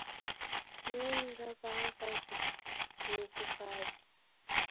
Nyonyi raw'aagha vijhungu vaw'o